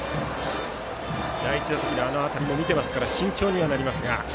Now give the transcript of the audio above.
第１打席の当たりも見ていますから慎重になります。